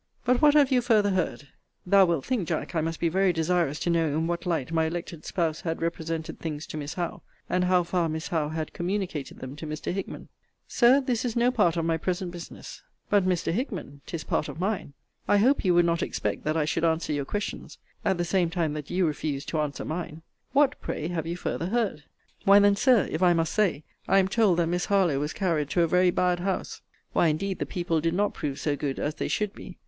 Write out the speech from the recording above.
But what have you farther heard? (Thou wilt think, Jack, I must be very desirous to know in what light my elected spouse had represented things to Miss Howe; and how far Miss Howe had communicated them to Mr. Hickman.) Sir, this is no part of my present business. But, Mr. Hickman, 'tis part of mine. I hope you would not expect that I should answer your questions, at the same time that you refused to answer mine. What, pray, have you farther heard? Why then, Sir, if I must say, I am told, that Miss Harlowe was carried to a very bad house. Why, indeed, the people did not prove so good as they should be.